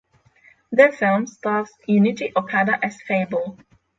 The film stars Junichi Okada as Fable.